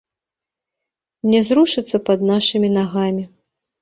Не зрушыцца пад нашымі нагамі.